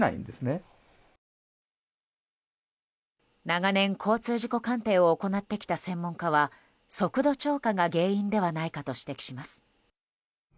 長年、交通事故鑑定を行ってきた専門家は速度超過が原因ではないかと指摘します。